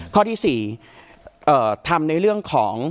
ข้อที่๔ทำในเรื่องของ